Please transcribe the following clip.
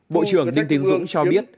bộ trưởng đinh tiến dũng cho biết